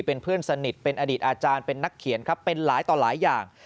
เป็นเพื่อนสนิทเป็นอดีตอาจารย์เป็นนักเขียนครับเป็นหลายต่อหลายอย่าง